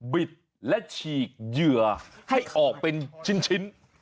บิดและฉีกเหยื่อให้ออกเป็นชิ้น